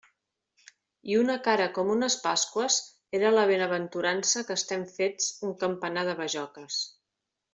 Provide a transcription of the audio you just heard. I una cara com unes pasqües era la benaventurança que estem fets un campanar de bajoques.